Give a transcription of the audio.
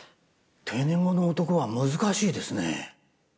定年後の男は難しいですね。